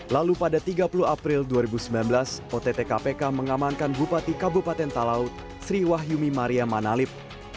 lalu pada tiga puluh april dua ribu sembilan belas ott kpk mengamankan bupati kabupaten talaut sri wahyumi maria manalip